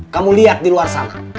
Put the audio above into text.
kamu lihat di luar sana